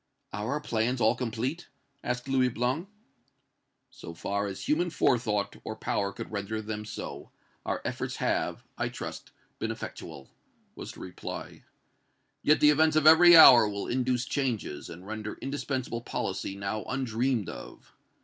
"Are our plans all complete?" asked Louis Blanc. "So far as human forethought or power could render them so, our efforts have, I trust, been effectual," was the reply. "Yet the events of every hour will induce changes, and render indispensable policy now undreamed of.